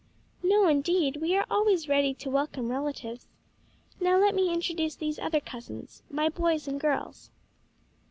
"No, indeed; we are always ready to welcome relatives. Now let me introduce these other cousins my boys and girls."